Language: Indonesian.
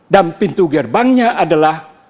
dan pintu gerbangnya adalah